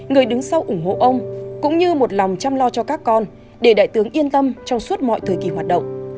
người đứng sau ủng hộ ông cũng như một lòng chăm lo cho các con để đại tướng yên tâm trong suốt mọi thời kỳ hoạt động